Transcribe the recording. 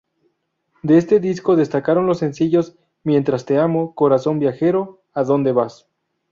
De este disco destacaron los sencillos: "Mientras te amo", "Corazón viajero", "¿A dónde vas?